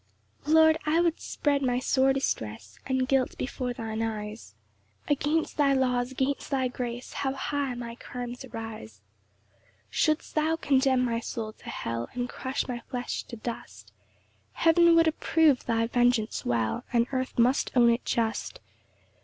1 Lord, I would spread my sore distress And guilt before thine eyes; Against thy laws, against thy grace, How high my crimes arise. 2 Shouldst thou condemn my soul to hell, And crush my flesh to dust, Heaven would approve thy vengeance well, And earth must own it just.